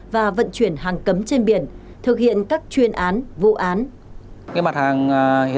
và vận chuyển hàng cấm trên biển thực hiện các chuyên án vụ án